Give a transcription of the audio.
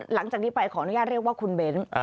หลังจากนี้ไปขออนุญาตเรียกว่าคุณเบ้น